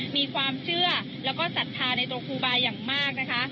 มีความเชื่อและสัตว์ธาในตัวครูบาร์อย่างมาก